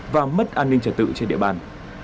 và mất an ninh trả tự trên địa bàn